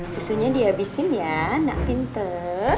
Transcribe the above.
susunya dihabisin ya nak pinter